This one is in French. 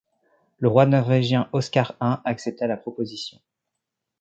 Le roi norvégien Oscar I accepta la proposition.